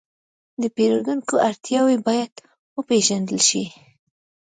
د پیرودونکو اړتیاوې باید وپېژندل شي.